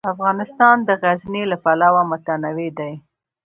افغانستان د غزني له پلوه متنوع دی.